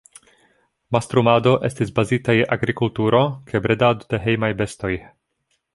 Mastrumado estis bazita je agrikulturo kaj bredado de hejmaj bestoj.